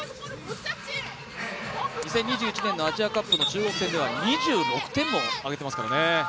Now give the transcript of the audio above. ２０２１年のアジアカップの中国戦では２６点も挙げていますからね。